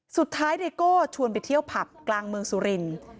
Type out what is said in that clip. สุดท้ายเนโกชวนไปเที่ยวผับกลางเมืองสุริน